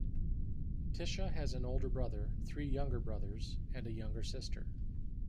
Tisha has an older brother, three younger brothers, and a younger sister.